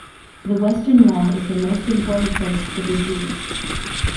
The Western Wall is the most important place for the Jews.